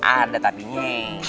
ada tapi nye